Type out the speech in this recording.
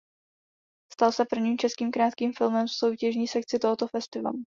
Stal se prvním českým krátkým filmem v soutěžní sekci tohoto festivalu.